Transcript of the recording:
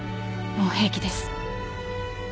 もう平気です。